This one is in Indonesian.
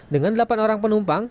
dengan delapan orang penungguan